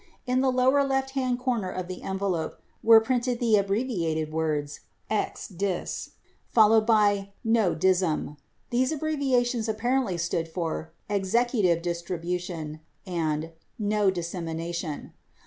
In the lower left hand corner of the envelope were printed the abbreviated words, "Ex Dis," followed by "No Dism." These abbreviations apparently stood for "Executive Distribution" and "No Dissemination."